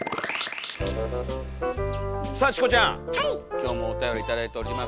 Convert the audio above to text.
今日もおたより頂いております。